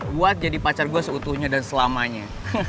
gue harus jadi pacar gue seutuhnya dan selamanya